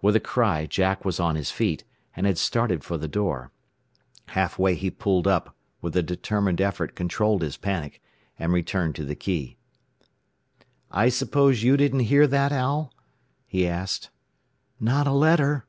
With a cry Jack was on his feet, and had started for the door. Half way he pulled up, with a determined effort controlled his panic, and returned to the key. "I suppose you didn't hear that, Al?" he asked. "Not a letter."